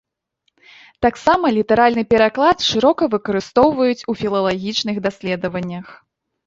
Таксама літаральны пераклад шырока выкарыстоўваюць у філалагічных даследаваннях.